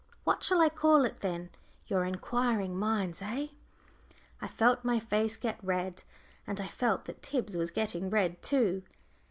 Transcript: What shall I call it, then, your inquiring minds, eh?" I felt my face get red, and I felt that Tib's was getting red too.